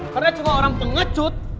karena cuma orang pengecut